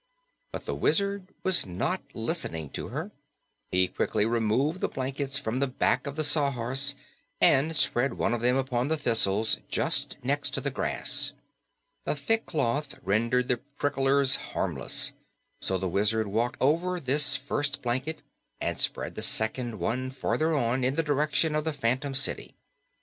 But the Wizard was not listening to her. He quickly removed the blankets from the back of the Sawhorse and spread one of them upon the thistles, just next the grass. The thick cloth rendered the prickers harmless, so the Wizard walked over this first blanket and spread the second one farther on, in the direction of the phantom city.